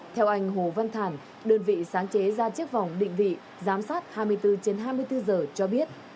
theo anh hồ văn thản đơn vị sáng chế ra chiếc vòng định vị giám sát hai mươi bốn trên hai mươi bốn giờ cho biết